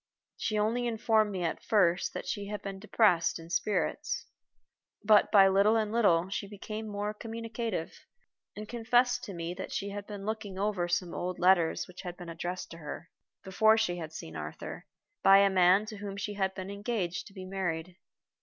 She only informed me at first that she had been depressed in spirits, but by little and little she became more communicative, and confessed to me that she had been looking over some old letters which had been addressed to her, before she had seen Arthur, by a man to whom she had been engaged to be married.